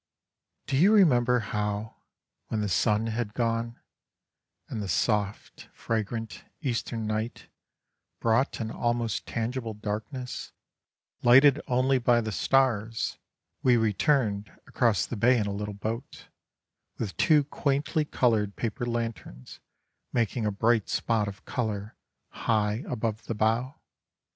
Do you remember how, when the sun had gone, and the soft, fragrant, Eastern night brought an almost tangible darkness, lighted only by the stars, we returned across the bay in a little boat, with two quaintly coloured paper lanterns making a bright spot of colour high above the bow?